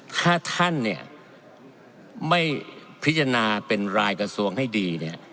ถ้าท่านเนี่ยไม่พิจารณาเป็นรายกระทรวงให้ดีเนี่ย